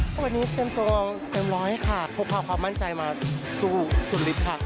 วันนี้เตรียมตัวเต็มร้อยค่ะพกพาความมั่นใจมาสู้สุดฤทธิ์ค่ะ